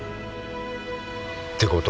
ってことは。